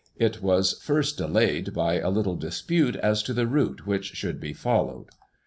It was first delayed by a little dispute as to the route which should be followed.